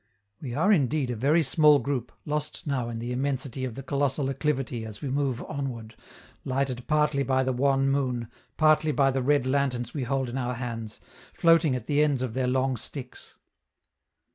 We are, indeed, a very small group, lost now in the immensity of the colossal acclivity as we move onward, lighted partly by the wan moon, partly by the red lanterns we hold in our hands, floating at the ends of their long sticks.